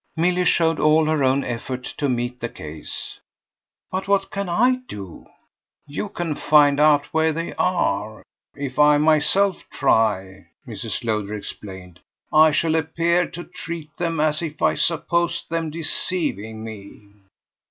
Milly showed all her own effort to meet the case. "But what can I do?" "You can find out where they are. If I myself try," Mrs. Lowder explained, "I shall appear to treat them as if I supposed them deceiving me."